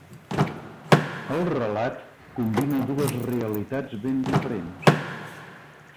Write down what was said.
El relat combina dues realitats ben diferents.